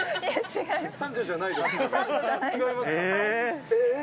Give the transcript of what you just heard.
違います。